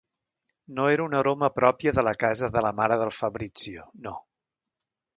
No era una aroma pròpia de la casa de la mare del Fabrizio, no!